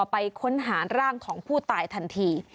ไปค้นหาร่างของผู้ตายทันที